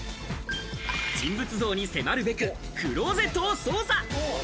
人物像に迫るべくクローゼットを捜査。